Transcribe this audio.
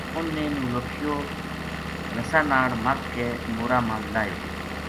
انھ نے نولکھیو رسا ناڑ مدھ کے مورا ما لاہیو